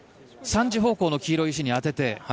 ３時方向の黄色い石に当てて。